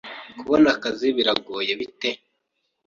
Kubona akazi biragoye bite?